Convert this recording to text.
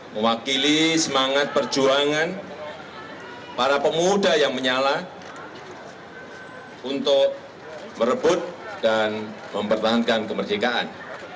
mewakili semangat perjuangan para pemuda yang menyala untuk merebut dan mempertahankan kemerdekaan